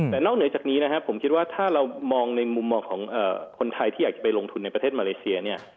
แต่นอกเหนือจากนี้นะครับผมคิดว่าถ้าเรามองในมุมมองของคนไทยที่อยากจะไปลงทุนในประเทศมาเลเซียเนี่ย